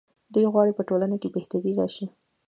دوی غواړي په ټولنه کې بهتري راشي.